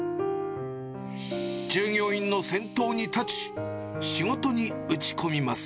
従業員の先頭に立ち、仕事に打ち込みます。